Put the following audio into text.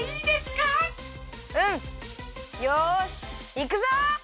うん！よしいくぞ！